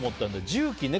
重機ね。